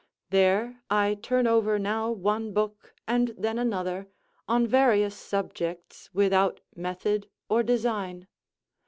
There I turn over now one book, and then another, on various subjects, without method or design.